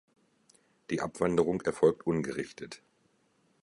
Die Abwanderung erfolgt ungerichtet.